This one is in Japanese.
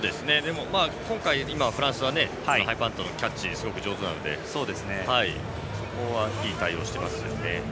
今回、フランスはハイパントのキャッチがすごい上手なのでここはいい対応をしていますね。